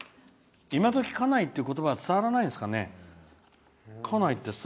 今どき、家内って言葉は伝わらないんですかね。